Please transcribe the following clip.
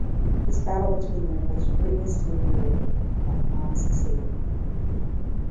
This battle between them was witnessed and narrated by Hans Staden.